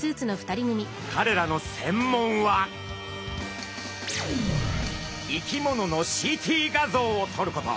かれらの専門は生き物のＣＴ画像をとること。